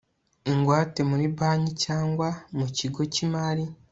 ingwate muri banki cyangwa mu kigo cy imari